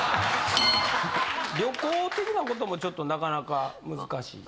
旅行的な事もちょっとなかなか難しい。